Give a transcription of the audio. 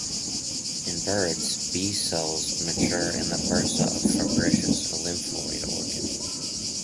In birds, B cells mature in the bursa of Fabricius, a lymphoid organ.